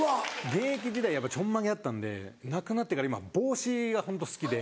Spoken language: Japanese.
現役時代ちょんまげだったんでなくなってから今帽子がホント好きで。